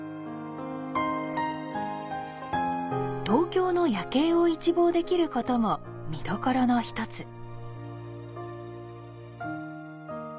東京の夜景を一望できることも見どころの１つ。